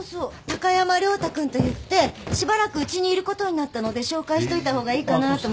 高山涼太君といってしばらくうちにいることになったので紹介しといた方がいいかなと。